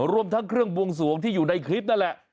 รวมทั้งเครื่องบวงสวงที่อยู่ในคลิปนั่นแหละ